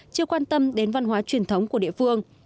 chưa quan tâm đến văn hóa truyền thống của địa phương